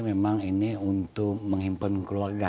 memang ini untuk menghimpun keluarga